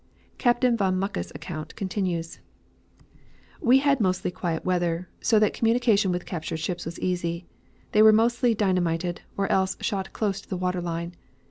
Captain von Mucke's account continues: "We had mostly quiet weather, so that communication with captured ships was easy. They were mostly dynamited, or else shot close to the water line.